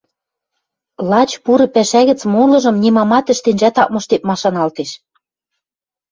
Лач пуры пӓшӓ гӹц молыжым нимамат ӹштенжӓт ак мыштеп машаналтеш.